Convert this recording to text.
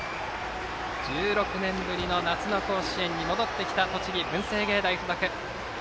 １６年ぶりの夏の甲子園に戻ってきた栃木・文星芸大付属。